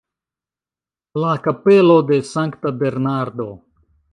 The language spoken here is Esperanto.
La kapelo de Sankta Bernardo.